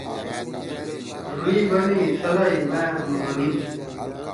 ڙُوئیل بنَئی: ”تھلا ئی مأ مونیِن۔